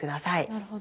なるほど。